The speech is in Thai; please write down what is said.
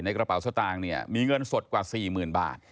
ในกระเป๋าสตางค์มีเงินสดกว่า๔๐๐๐๐บาท